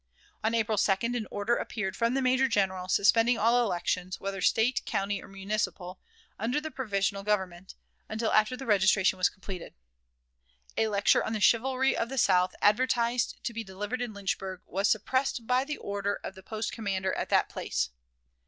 On April 2d an order appeared from the major general, suspending all elections, whether State, county, or municipal, "under the provisional government," until after the registration was completed. A lecture on the "Chivalry of the South," advertised to be delivered in Lynchburg, was suppressed by the order of the post commander at that place.